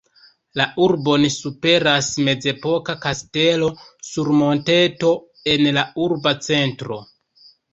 La urbon superas mezepoka kastelo sur monteto en la urba centro.